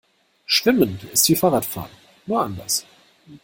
Schwimmen ist wie Fahrradfahren, nur anders.